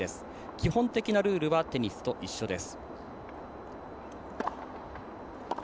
基本的なルールはテニスと一緒です。